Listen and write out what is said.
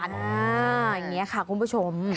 อย่างนี้ค่ะคุณผู้ชม